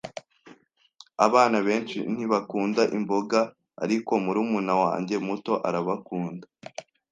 Abana benshi ntibakunda imboga, ariko murumuna wanjye muto arabakunda.